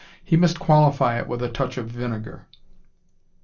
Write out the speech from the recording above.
He must qualify it with a touch of vinegar.